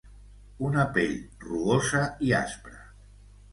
Una pell rugosa i aspra.